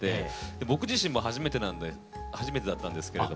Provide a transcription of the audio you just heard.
僕自身も初めてなんで初めてだったんですけれども。